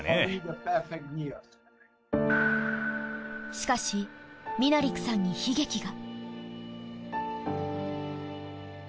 しかしミナリクさんに悲劇が。